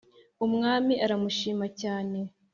umwami aramushimacyane